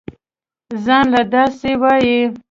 زان له دا سه وايې.